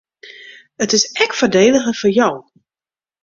It is ek foardeliger foar jo.